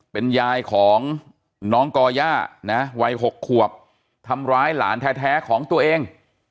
เป็นยายของน้องก่อย่านะวัย๖ขวบทำร้ายหลานแท้ของตัวเอง